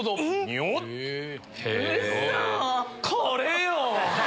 これよ！